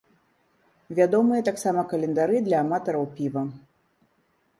Вядомыя таксама календары для аматараў піва.